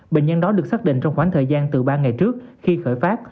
bệnh nhân đó được xác định trong khoảng thời gian từ ba ngày trước khi khởi phát